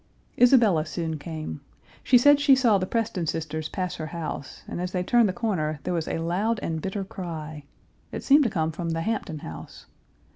Isabella soon came. She said she saw the Preston sisters pass her house, and as they turned the corner there was a loud and bitter cry. It seemed to come from the Hampton house.